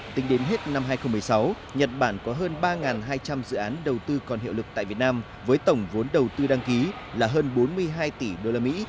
tính đến hết năm hai nghìn một mươi sáu nhật bản có hơn ba hai trăm linh dự án đầu tư còn hiệu lực tại việt nam với tổng vốn đầu tư đăng ký là hơn bốn mươi hai tỷ usd